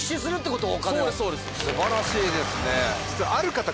素晴らしいですね。